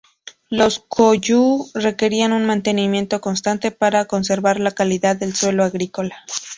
Los "coo yuu" requerían un mantenimiento constante para conservar la calidad del suelo agrícola.